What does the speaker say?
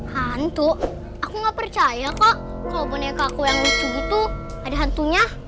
hantu aku gak percaya kok kalo bonekaku yang lucu gitu ada hantunya